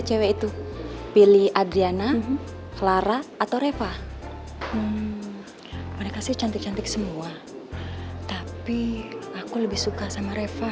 cewek itu pilih adriana clara atau reva mereka sih cantik cantik semua tapi aku lebih suka sama reva